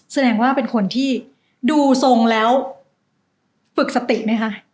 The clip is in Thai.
แสดงว่าเป็นคนที่ดูทรงแล้วฝึกสติไหมคะ